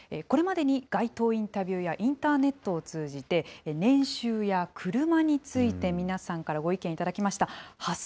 これまでに街頭インタビューやインターネットを通じて、年収やクルマについて、皆さんからご意見いただきました。